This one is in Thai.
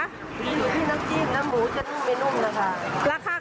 เริ่มต้นที่